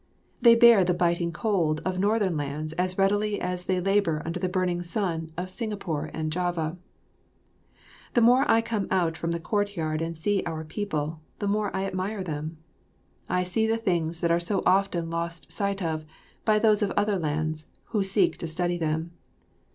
They bear the biting cold of northern lands as readily as they labour under the burning sun of Singapore and Java. The more I come out from the courtyard and see our people, the more I admire them; I see the things that are so often lost sight of by those of other lands who seek to study them.